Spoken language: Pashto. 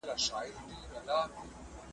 په مخلوق کي اوسېدله خو تنها وه ,